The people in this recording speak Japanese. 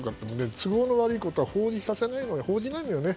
都合の悪いことは報じさせない、報じないのよね。